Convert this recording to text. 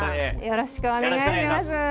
よろしくお願いします。